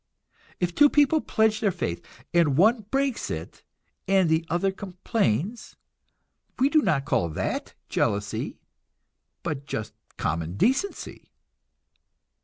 If two people pledge their faith, and one breaks it, and the other complains, we do not call that jealousy, but just common decency.